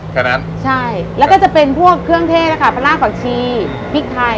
เผ็ดมันใช่แล้วก็จะเป็นพวกเครื่องเทศแล้วค่ะพลาดหวัดชีพริกไทย